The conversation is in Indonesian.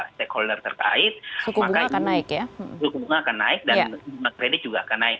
stakeholder terkait maka ini suku bunga akan naik dan jumlah kredit juga akan naik